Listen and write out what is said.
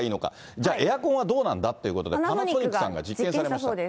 じゃあ、エアコンはどうなんだっていうことで、パナソニックが実験されたようです。